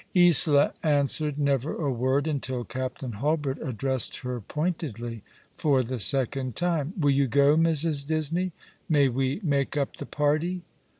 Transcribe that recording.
Tsola answered never a word, until Captain Hulbert addressed her pointedly for the second time. " Will you go, Mrs. Disney — may we make up the party